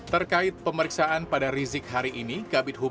terkait pemeriksaan pada rizik hari ini